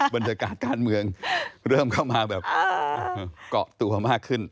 บรรยากาศการเมืองเริ่มเข้ามาแบบเกาะตัวมากขึ้น